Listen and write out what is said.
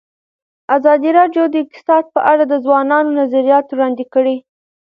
ازادي راډیو د اقتصاد په اړه د ځوانانو نظریات وړاندې کړي.